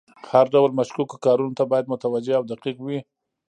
هر ډول مشکوکو کارونو ته باید متوجه او دقیق وي.